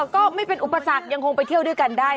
ก็ไม่เป็นอุปสรรคยังคงไปเที่ยวด้วยกันได้